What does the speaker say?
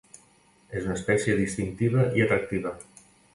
És una espècie distintiva i atractiva.